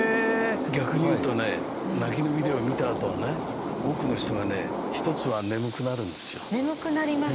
逆に言うとね泣きのビデオを見たあとはね多くの人がね一つは眠くなるんですよ。